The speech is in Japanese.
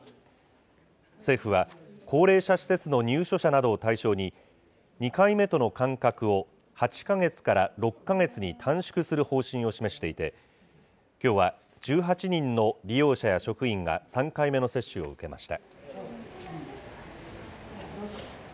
政府は、高齢者施設の入所者などを対象に、２回目との間隔を８か月から６か月に短縮する方針を示していて、きょうは１８人の利用や職員が３回目の接種を受けました。